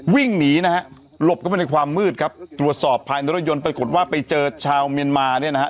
วิ่งหนีนะฮะหลบเข้าไปในความมืดครับตรวจสอบภายในรถยนต์ปรากฏว่าไปเจอชาวเมียนมาเนี่ยนะฮะ